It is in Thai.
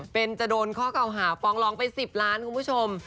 เป็นจะโดนข้อเก่าหาฟ้องร้องไป๑๐ล้านคุณผู้ชม